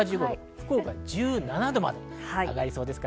福岡は１７度まで上がりそうです。